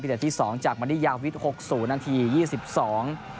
อิร่านที่สองจากมาธี้ยาวฟิศหกศูนย์นาทียี่สิบสอง